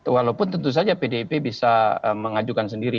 walaupun tentu saja pdip bisa mengajukan sendiri